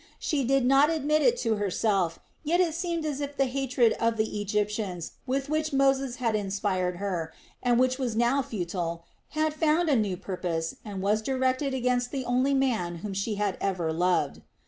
She did not admit it even to herself, yet it seemed as if the hatred of the Egyptians with which Moses had inspired her, and which was now futile, had found a new purpose and was directed against the only man whom she had ever loved.